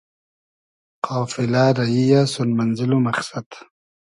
قافیلۂ ریی یۂ سون مئنزېل و مئخسئد